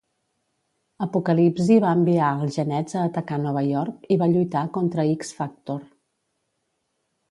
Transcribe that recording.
Apocalipsi va enviar els Genets a atacar Nova York i va lluitar contra X-Factor.